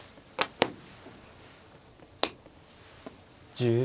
１０秒。